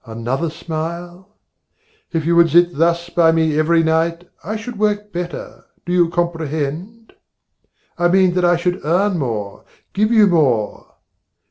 Another smile? If you would sit thus by me every night I should work better, do you comprehend? I mean that I should earn more, give you more.